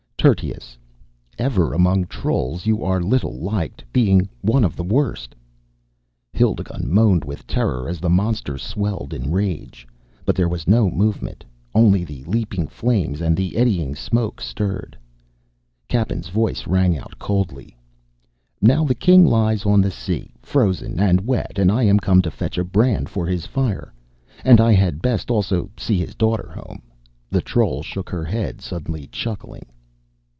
Tertius, ever among trolls you are little liked, being one of the worst." Hildigund moaned with terror as the monster swelled in rage. But there was no movement. Only the leaping flames and the eddying smoke stirred. Cappen's voice rang out, coldly: "Now the king lies on the sea, frozen and wet, and I am come to fetch a brand for his fire. And I had best also see his daughter home." The troll shook her head, suddenly chuckling.